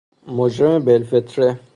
مجرم بالفطره